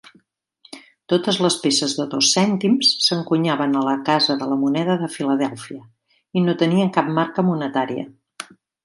Totes les peces de dos cèntims s'encunyaven a la Casa de la Moneda de Filadèlfia, i no tenien cap marca monetària.